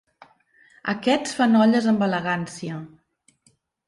Aquests fan olles amb elegància.